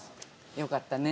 よかったね。